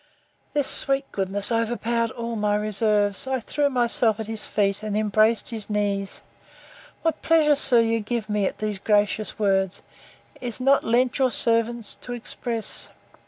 This sweet goodness overpowered all my reserves. I threw myself at his feet, and embraced his knees: What pleasure, sir, you give me at these gracious words, is not lent your poor servant to express!